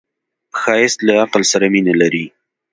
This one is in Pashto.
ښایست له عقل سره مینه لري